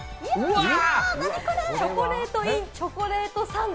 チョコレートｉｎチョコレートサンド！！